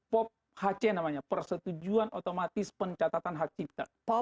pop hc namanya persetujuan otomatis pencatatan hak cipta